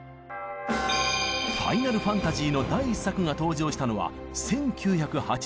「ファイナルファンタジー」の第１作が登場したのは１９８７年。